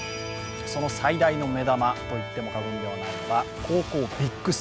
その最大の目玉と言っても過言ではないのが高校ＢＩＧ３。